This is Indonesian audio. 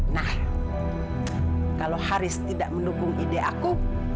nah kalau haris tidak mendukung ide aku